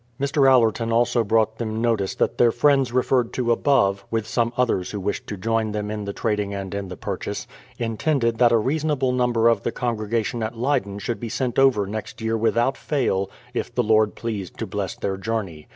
Mr. Allerton also brought them notice that their friends referred to above, with some others who wished to join them in the trading and in the purchase, intended that a reasonable number of the congregation at Leyden should be sent over next year without fail, if the Lord pleased to bless their journey.